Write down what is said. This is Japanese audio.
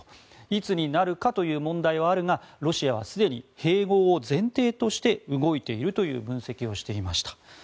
いつになるかという問題はあるがロシアはすでに併合を前提として動いているという分析をしていました。